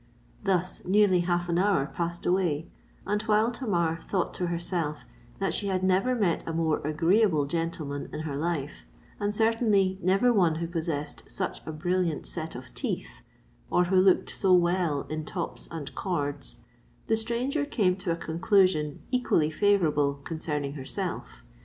Thus nearly half an hour passed away: and while Tamar thought to herself that she had never met a more agreeable gentleman in her life—and certainly never one who possessed such a brilliant set of teeth, or who looked so well in tops and cords,—the stranger came to a conclusion equally favourable concerning herself.